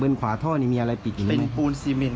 ขวาท่อนี่มีอะไรปิดอยู่ไหมเป็นปูนซีเมน